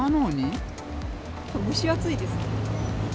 蒸し暑いです。